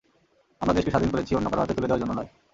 আমরা দেশকে স্বাধীন করেছি অন্য কারও হাতে তুলে দেওয়ার জন্য নয়।